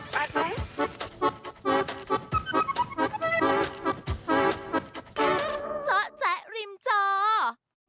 เจ้าแจ๊ะริมเจ้า